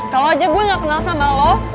kalau aja gue gak kenal sama lo